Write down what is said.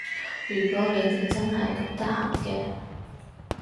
如果你哋真係咁得閒嘅